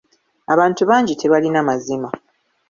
Abantu bangi tebalina mazima.